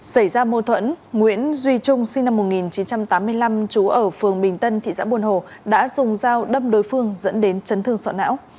xảy ra mâu thuẫn nguyễn duy trung sinh năm một nghìn chín trăm tám mươi năm chú ở phường bình tân thị xã buồn hồ đã dùng dao đâm đối phương dẫn đến chấn thương sọ não